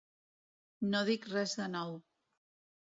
No dic res de nou.